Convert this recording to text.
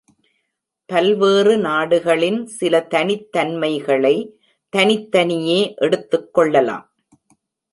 பல்வேறு நாடுகளின் சில தனித்தன்மைகளை தனித்தனியே எடுத்துக் கொள்ளலாம்.